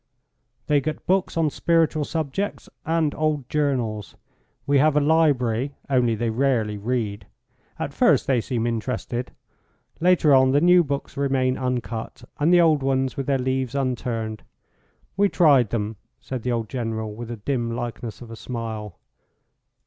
"They get books on spiritual subjects and old journals. We have a library. Only they rarely read. At first they seem interested, later on the new books remain uncut, and the old ones with their leaves unturned. We tried them," said the old General, with the dim likeness of a smile.